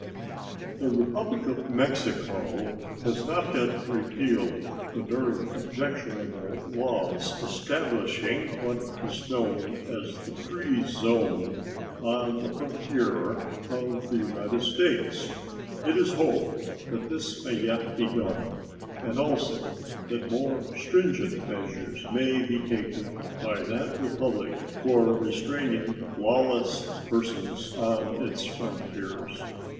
The Republic of Mexico has not yet repealed the very objectionable laws establishing what is known as the "free zone" on the frontier of the United States. It is hoped that this may yet be done, and also that more stringent measures may be taken by that Republic for restraining lawless persons on its frontiers.